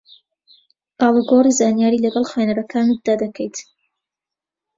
ئاڵوگۆڕی زانیاری لەگەڵ خوێنەرەکانتدا دەکەیت